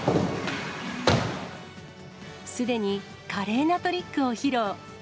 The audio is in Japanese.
すでに華麗なトリックを披露。